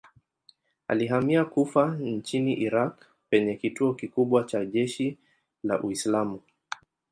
Alihamia Kufa nchini Irak penye kituo kikubwa cha jeshi la Uislamu.